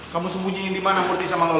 kamu sembunyiin di mana murthy sama loli